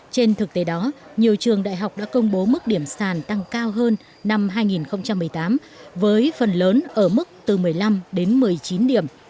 trên thực tế đó nhiều trường đại học đã công bố mức điểm sàn tăng cao hơn năm hai nghìn một mươi tám với phần lớn ở mức từ một mươi năm đến một mươi chín điểm